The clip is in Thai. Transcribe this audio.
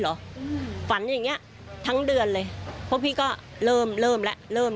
อืมฝันอย่างเงี้ยทั้งเดือนเลยเพราะพี่ก็เริ่มเริ่มแล้วเริ่ม